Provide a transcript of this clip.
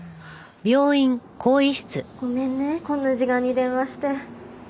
ごめんねこんな時間に電話して。